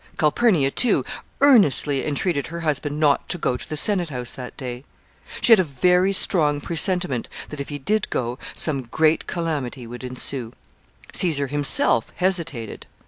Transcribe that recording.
Calpurnia, too, earnestly entreated her husband not to go to the senate house that day. She had a very strong presentiment that, if he did go, some great calamity would ensue. Caesar himself hesitated.